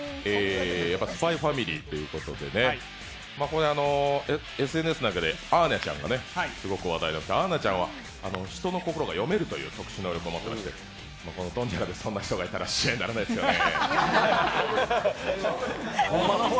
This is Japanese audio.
「ＳＰＹ×ＦＡＭＩＬＹ」ということでね、ＳＮＳなんかで、アーニャちゃんがすごく話題で、アーニャちゃんは人の心が読めるという能力を持っていてこのドンジャラでそんな人がいたら試合にならないですよね。